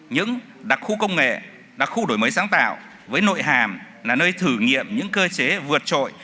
những đặc khu công nghệ đặc khu đổi mới sáng tạo với nội hàm là nơi thử nghiệm những cơ chế vượt trội